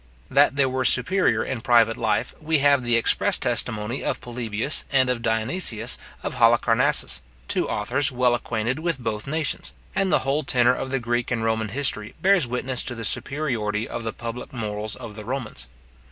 That they were superior in private life, we have the express testimony of Polybius, and of Dionysius of Halicarnassus, two authors well acquainted with both nations; and the whole tenor of the Greek and Roman history bears witness to the superiority of the public morals of the Romans.